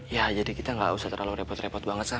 ya jadi kita nggak usah terlalu repot repot banget sah